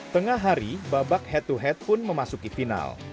tengah hari babak head to head pun memasuki final